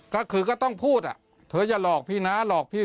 ก็คือก็ต้องพูดอ่ะเธออย่าหลอกพี่น้าหลอกพี่